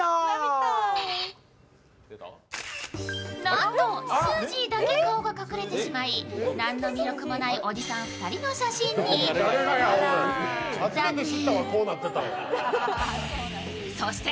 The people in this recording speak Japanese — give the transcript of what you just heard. なんと、すーじーだけ顔が隠れてしまい何の魅力もないおじさん２人の写真に、残念。